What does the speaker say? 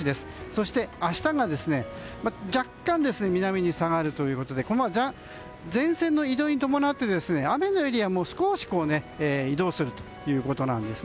そして、明日は若干、南に下がるということでこの前線の移動に伴って雨のエリアも少し移動するということなんです。